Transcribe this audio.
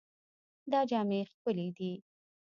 دا جامې ښکلې دي.